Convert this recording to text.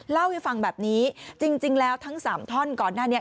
เล่าให้ฟังแบบนี้จริงแล้วทั้งสามท่อนก่อนหน้านี้